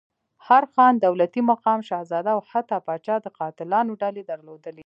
هر خان، دولتي مقام، شهزاده او حتی پاچا د قاتلانو ډلې درلودلې.